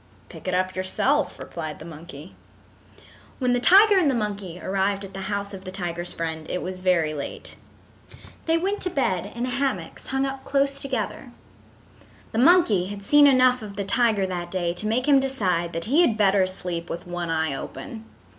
"Pick it up yourself," replied the monkey. When the tiger and the monkey arrived at the house of the tiger's friend it was very late. They went to bed in hammocks hung up close together. The monkey had seen enough of the tiger that day to make him decide that he had better sleep with one eye open.